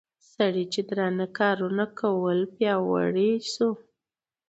سړي چې درانه کارونه کول پياوړى شو